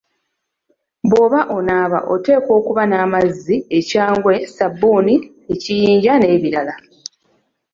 Bw'oba onaaba oteekwa okuba n'amazzi, ekyangwe, ssabbuni, ekiyinja n'ebirala.